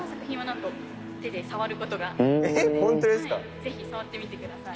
ぜひ触ってみてください。